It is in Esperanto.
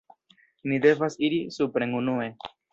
Ni devas iri supren unue